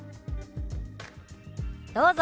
どうぞ！